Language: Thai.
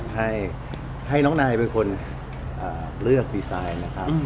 ให้น้องนายเป็นคนเลือกดีไซน์นะครับ